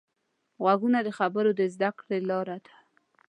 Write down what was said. غوږونه د خبرو د زده کړې لاره ده